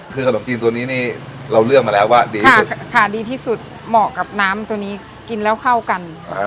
คือขนมจีนตัวนี้นี่เราเลือกมาแล้วว่าดีที่สุดค่ะดีที่สุดเหมาะกับน้ำตัวนี้กินแล้วเข้ากัน